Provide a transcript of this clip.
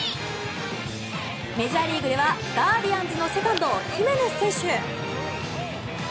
メジャーリーグではガーディアンズのセカンドヒメネス選手。